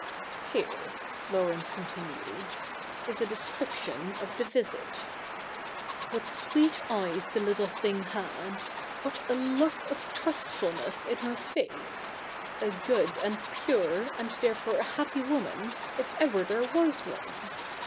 ' Here,' Laurence continued, ' is a description of the visit. " What siveet eyes the little thing had ! What a look of trustfulness i?i her face ! A good and piwe, and therefore a happy woman, if ever there was one.